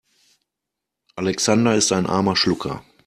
Alexander ist ein armer Schlucker.